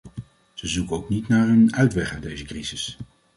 Ze zoeken ook niet naar een uitweg uit deze crisis.